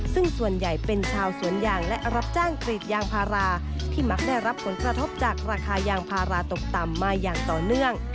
ซึ่งส่วนใหญ่เป็นชาวสวนยางและรับจ้างกรีดยางพาราที่มักได้รับผลกระทบจากราคายางพาราตกต่ำมาอย่างต่อเนื่อง